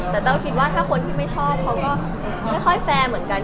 แต่แต้วคิดว่าถ้าคนที่ไม่ชอบเขาก็ไม่ค่อยแฟร์เหมือนกัน